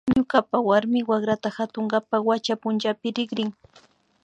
Ñukapa warmi wakrata katunkapak wacha punchapi rikrini